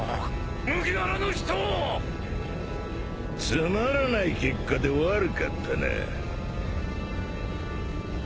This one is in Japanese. つまらない結果で悪かったな。